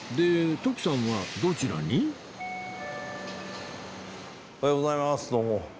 徳さんはどちらに？おはようございますどうも。